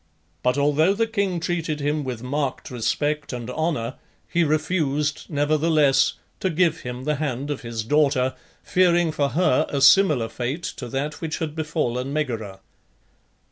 But although the king treated him with marked respect and honour he refused, nevertheless, to give him the hand of his daughter, fearing for her a similar fate to that which had befallen Megara.